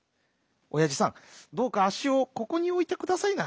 おやじさんどうかあっしをここにおいてくださいな。